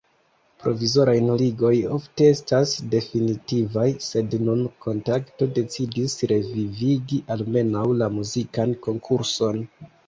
Provizoraj nuligoj ofte estas definitivaj, sed nun Kontakto decidis revivigi almenaŭ la muzikan konkurson.